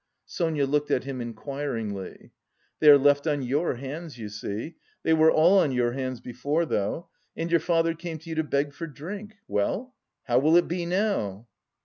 Sonia looked at him inquiringly. "They are left on your hands, you see. They were all on your hands before, though.... And your father came to you to beg for drink. Well, how will it be now?"